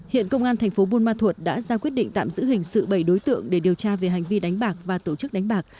hiện công an thành phố buôn ma thuột đã ra quyết định tạm giữ hình sự bảy đối tượng để điều tra về hành vi đánh bạc và tổ chức đánh bạc